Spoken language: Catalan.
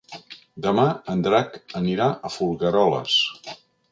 Demà en Drac anirà a Folgueroles.